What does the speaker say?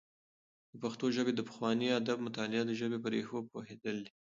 د پښتو ژبې د پخواني ادب مطالعه د ژبې په ريښو پوهېدل دي.